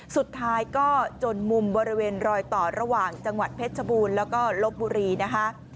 สุดท้ายก็จนมุมบริเวณรอยต่อระหว่างจังหวัดเพชรชบูรณ์แล้วก็ลบบุรีนะคะ